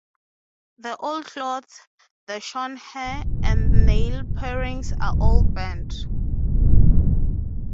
The old cloths, the shorn hair, and the nail-parings are all burnt.